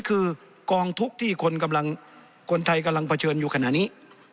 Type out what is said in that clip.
คือกองทุกข์ที่คนกำลังคนไทยกำลังเผชิญอยู่ขณะนี้